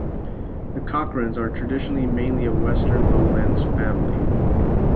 The Cochrans are traditionally mainly a Western Lowlands family.